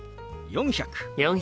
４００。